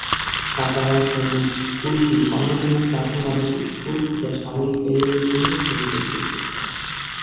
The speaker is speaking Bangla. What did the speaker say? সাতারা সৈনিক স্কুলটি অন্যতম প্রাচীন আবাসিক স্কুল যা সামরিক ক্যারিয়ারের জন্য ছেলেদের প্রস্তুত করে।